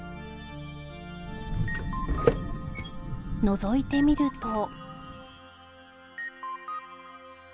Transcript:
のぞいてみると